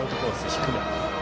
低め。